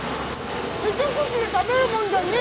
一口で食べるもんじゃねえ。